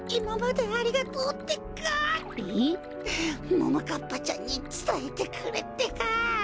ももかっぱちゃんにつたえてくれってか。